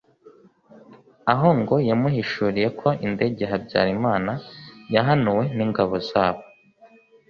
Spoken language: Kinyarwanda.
aho ngo yamuhishuriye ko indege ya Habyarimana yahanuwe n’ingabo zabo